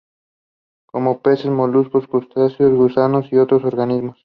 Come peces, moluscos, crustáceos, gusanos y otros organismos.